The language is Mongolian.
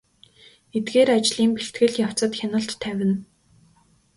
Эдгээр ажлын бэлтгэл явцад хяналт тавина.